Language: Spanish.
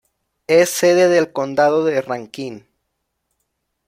Es sede del condado de Rankin.